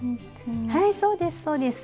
はいそうですそうです。